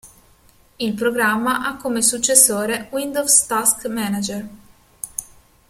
Il programma ha come successore Windows Task Manager.